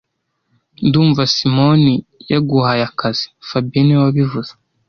Ndumva Simoni yaguhaye akazi fabien niwe wabivuze